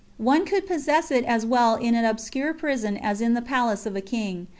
One could possess it as well in an obscure prison as in the palace of a king.